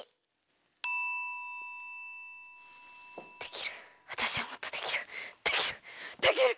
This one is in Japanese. できるわたしはもっとできるできるできる！